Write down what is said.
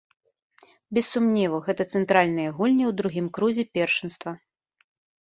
Без сумневу, гэта цэнтральныя гульні ў другім крузе першынства.